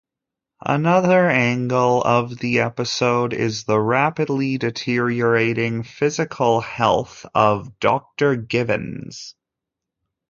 Another angle of the episode is the rapidly deteriorating physical health of Doctor Givens.